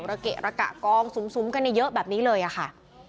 ระเกะระกะกองสุมกันเยอะแบบนี้เลยอะค่ะ